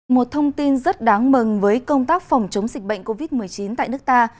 một thông tin rất đáng mừng với công tác phòng chống dịch bệnh covid một mươi chín tại nước ta